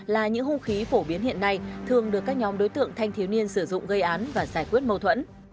là những hung khí phổ biến hiện nay thường được các nhóm đối tượng thanh thiếu niên sử dụng gây án và giải quyết mâu thuẫn